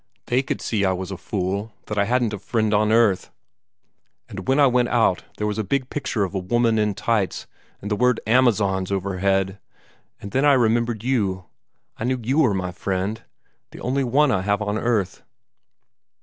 They could see I was a fool, that I hadn't a friend on earth. And when I went out, there was a big picture of a woman in tights, and the word 'Amazons' overhead and then I remembered you. I knew you were my friend the only one I have on earth."